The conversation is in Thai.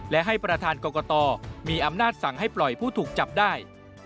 และให้ประธานกรกตมีอำนาจสั่งให้ปล่อยผู้ถูกจับได้